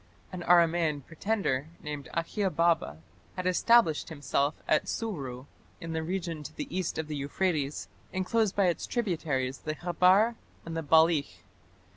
An Aramaean pretender named Akhiababa had established himself at Suru in the region to the east of the Euphrates, enclosed by its tributaries the Khabar and the Balikh.